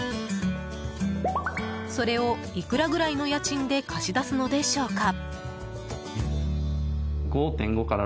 それを、いくらぐらいの家賃で貸し出すのでしょうか。